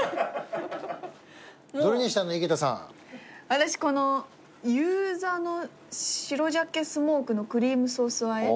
私この遊佐の白鮭スモークのクリームソース和え。